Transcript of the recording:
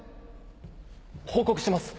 報告します。